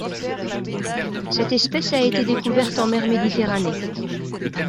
Cette espèce a été découverte en mer Méditerranée.